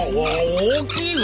大きいぞ！